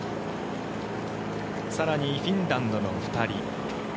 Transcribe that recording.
更にフィンランドの２人。